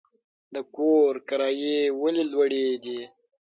د کور کرایې ولې لوړې دي؟